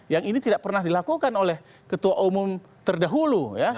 yang ini tidak pernah dilakukan oleh ketua umum terdahulu